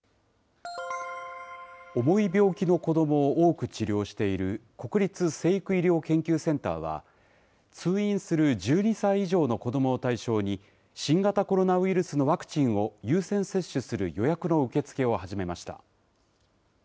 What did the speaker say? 重い病気の子どもを多く治療している、国立成育医療研究センターは、通院する１２歳以上の子どもを対象に、新型コロナウイルスのワクチンを優先接種する予約の受け付けを始めました。